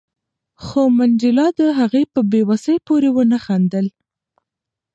خو منډېلا د هغه په بې وسۍ پورې ونه خندل.